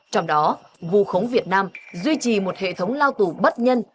trong đó vù khống việt nam duy trì một hệ thống lao tù bất nhân